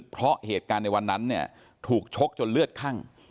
เพราะเหตุการณ์ในวันนั้นถูกชกจนเลือดคั่ง